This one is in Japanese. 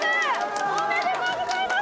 おめでとうございます！